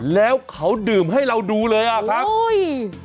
แล้วเขาดื่มให้เราดูเลยอ่ะครับอุ้ย